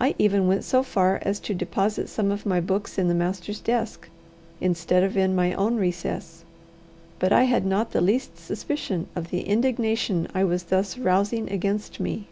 I even went so far as to deposit some of my books in the master's desk, instead of in my own recess. But I had not the least suspicion of the indignation I was thus rousing against me.